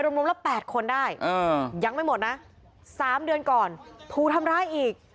รวมรวมละแปดคนได้เออยังไม่หมดน่ะสามเดือนก่อนผู้ทำร้ายอีก